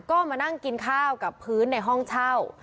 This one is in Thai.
ก็มานั่งกินข้าวกับพื้นในห้องเช่า